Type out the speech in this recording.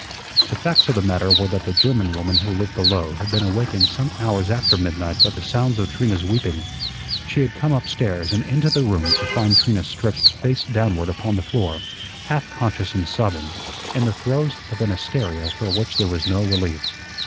The facts of the matter were that the German woman who lived below had been awakened some hours after midnight by the sounds of Trina's weeping. She had come upstairs and into the room to find Trina stretched face downward upon the floor, half conscious and sobbing, in the throes of an hysteria for which there was no relief.